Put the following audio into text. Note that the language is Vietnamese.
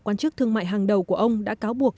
quan chức thương mại hàng đầu của ông đã cáo buộc